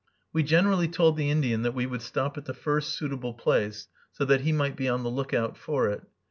We generally told the Indian that we would stop at the first suitable place, so that he might be on the lookout for it.